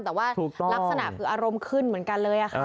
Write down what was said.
แต่ว่าลักษณะคืออารมณ์ขึ้นเหมือนกันเลยค่ะ